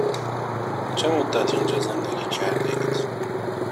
چه مدت اینجا زندگی کرده اید؟